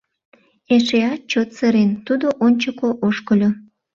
Эшеат чот сырен, тудо ончыко ошкыльо.